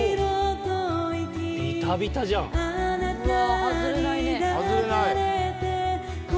うわあ外れないね。